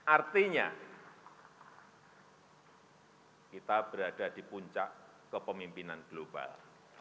artinya kita berada di puncak kepemimpinan global